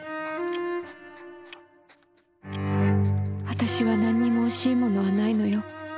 「私は何にも惜しいものはないのよ。